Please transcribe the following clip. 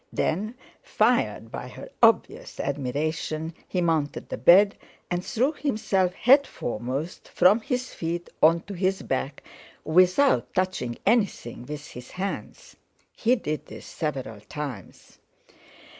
Then, fired by her obvious admiration, he mounted the bed, and threw himself head foremost from his feet on to his back, without touching anything with his hands. He did this several times.